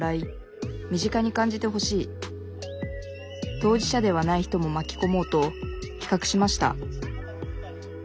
当事者ではない人も巻き込もうときかくしました